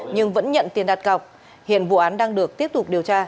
nhưng vẫn nhận tiền đặt cọc hiện vụ án đang được tiếp tục điều tra